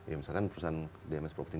ya misalkan perusahaan dms property ya